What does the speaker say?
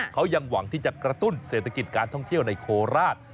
เขายังหวังที่จะกระตุ้นเศรษฐกิจการท่องเที่ยวในโคราช